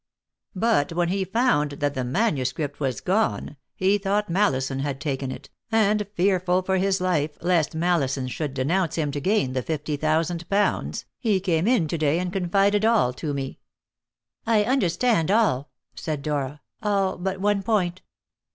But when he found that the manuscript was gone, he thought Mallison had taken it, and, fearful for his life lest Mallison should denounce him to gain the fifty thousand pounds, he came in to day and confided all to me." "I understand all," said Dora "all but one point.